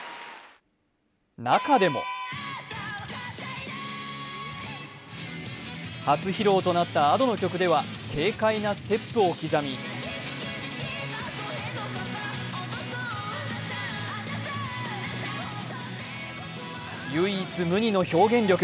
中でも初披露となったＡｄｏの曲では軽快なステップを刻み唯一無二の表現力。